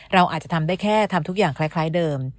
เราอาจจะทำได้แค่ทำทุกอย่างคล้ายเดิม